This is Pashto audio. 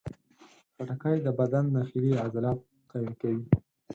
خټکی د بدن داخلي عضلات قوي کوي.